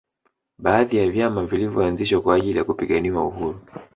Baadhi ya vyama vilinyoanzishwa kwa ajili ya kupiganiwa uhuru